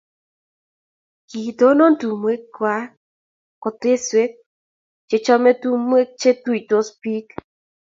kiitonon tumwekwach koteswek che chomei tumwek che tuisot biik